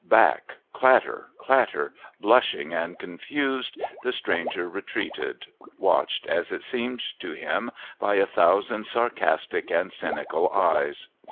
Back, clatter, clatter, blushing and confused, the stranger retreated, watched, as it seemed to him, by a thousand sarcastic and cynical eyes.